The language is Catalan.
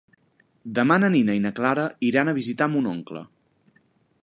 Demà na Nina i na Clara iran a visitar mon oncle.